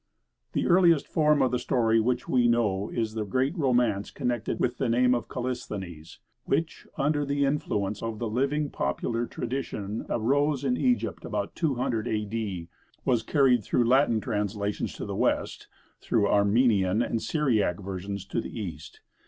The earliest form of the story which we know is the great romance connected with the name of Callisthenes, which, under the influence of the living popular tradition, arose in Egypt about 200 A.D., and was carried through Latin translations to the West, through Armenian and Syriac versions to the East.